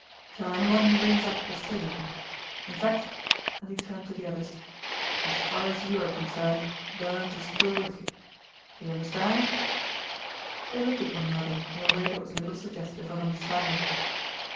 Tell anyone who rings up the same; in fact" and he turned to the others "as far as you are concerned, Burns is still with you. Do you understand?" They looked at one another in a way that was little suggestive of understanding.